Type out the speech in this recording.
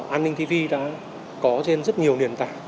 an ninh tv đã có trên rất nhiều nền tảng